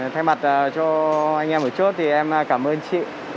thay mặt cho anh em một chút thì em cảm ơn chị